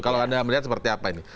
kalau anda melihat seperti apa ini